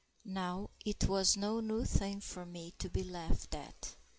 Now it was no new thing for me to be laughed at.